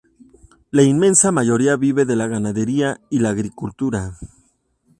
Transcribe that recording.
La inmensa mayoría vive de la ganadería y la agricultura.